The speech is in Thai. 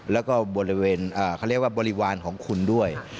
แล้วก็บริเวณเขาเรียกว่าบริวารของคุณด้วย